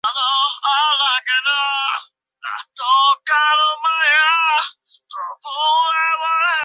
Batting করার সুযোগ না পেলেও লাহোরে সফরের তৃতীয় ও চূড়ান্ত টেস্টে তিন নম্বরে ব্যাটিংয়ে নামেন।